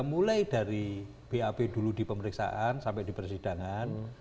mulai dari bap dulu di pemeriksaan sampai di persidangan